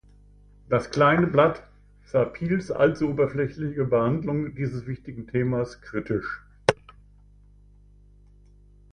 Das "Kleine Blatt" sah Piels allzu oberflächliche Behandlung dieses wichtigen Themas kritisch.